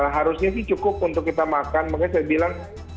harusnya sih cukup untuk kita makan makanya saya bilang